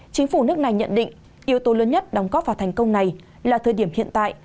chính phủ nước này nhận định yếu tố lớn nhất đóng góp vào thành công này là thời điểm hiện tại